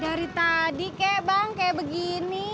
dari tadi kek bang kayak begini